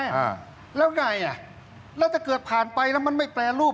อ่าแล้วไงอ่ะแล้วถ้าเกิดผ่านไปแล้วมันไม่แปรรูป